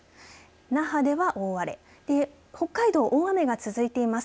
那覇では大荒れ北海道、大雨が続いています。